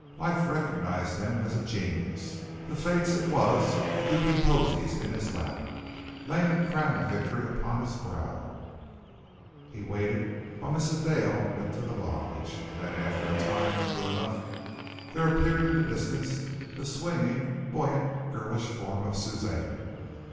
Life recognized him as a genius the fates it was heaping posies in his lap, laying a crown of victory upon his brow. He waited while Mrs. Dale went to the lodge, and then after a time, true enough, there appeared in the distance the swinging, buoyant, girlish form of Suzanne.